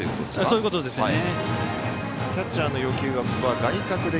そういうことですね。